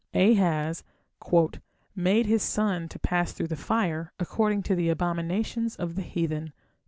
Ahaz "made his son to pass through the fire, according to the abominations of the heathen".